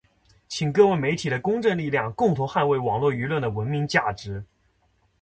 请各位媒体的公正力量，共同捍卫网络舆论的文明价值